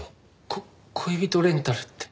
こ恋人レンタルって。